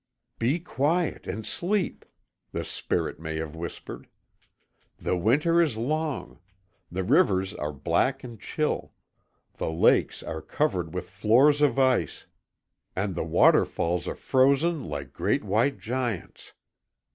"Be quiet and sleep!" the Spirit may have whispered. "The Winter is long. The rivers are black and chill, the lakes are covered with floors of ice, and the waterfalls are frozen like great white giants.